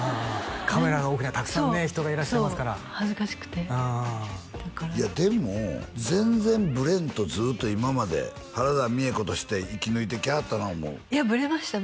カメラの奥にはたくさんね人がいらっしゃいますからそう恥ずかしくてうんいやでも全然ブレんとずっと今まで原田美枝子として生き抜いてきはったな思ういやブレました